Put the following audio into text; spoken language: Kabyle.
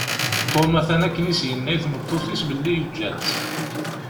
Tom atan akken i s-yenna i tmeṭṭut-is belli yeǧǧa-tt.